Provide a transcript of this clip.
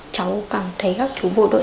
cháu cảm thấy các chú bộ đội